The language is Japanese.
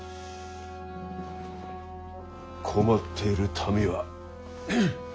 困っている民は。